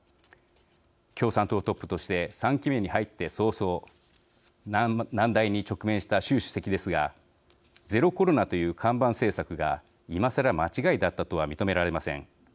共産党トップとして３期目に入って早々難題に直面した習主席ですがゼロコロナという看板政策がいまさら間違いだったとは認められません。